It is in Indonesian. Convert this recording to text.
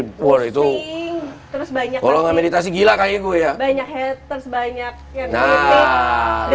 kalau udah populasi war itu terus banyak kalau nggak meditasi gila kayak gue ya banyak banyak